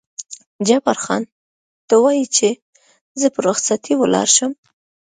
جبار خان: ته وایې چې زه په رخصتۍ ولاړ شم؟